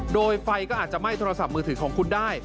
โดยไฟก็อาจจะไหม้โทรศัพท์มือถือของคุณได้